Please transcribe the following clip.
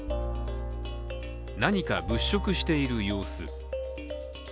何か物色している様子。